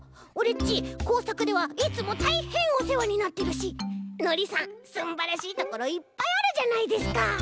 ちこうさくではいつもたいへんおせわになってるしのりさんすんばらしいところいっぱいあるじゃないですか。